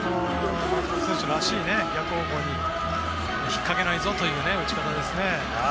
松本選手らしい逆方向に引っ掛けないぞという打ち方ですね。